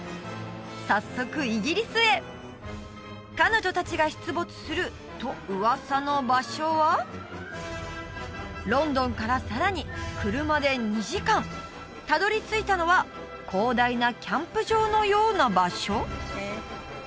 早速イギリスへ彼女達が出没すると噂の場所はロンドンからさらに車で２時間たどり着いたのは広大なキャンプ場のような場所？